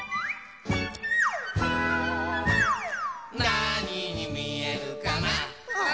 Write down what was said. なににみえるかな